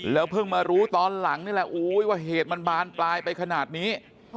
เพิ่งมารู้ตอนหลังนี่แหละว่าเหตุมันบานปลายไปขนาดนี้